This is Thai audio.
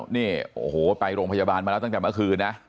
นี่โอ้โหไปโรงพยาบาลมาแล้วตั้งแต่เมื่อคืนนะ